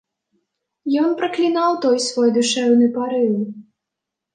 Ён праклінаў той свой душэўны парыў.